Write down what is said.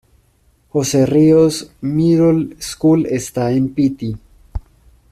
Jose Rios Middle School está en Piti.